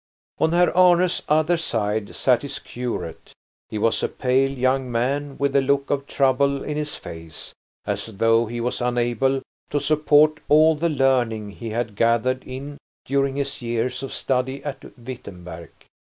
On Herr Arne's other side sat his curate. He was a pale young man with a look of trouble in his face, as though he was unable to support all the learning he had gathered in during his years of study at Wittenberg.